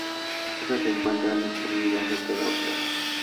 Estas se encuentran distribuidas en toda Australia.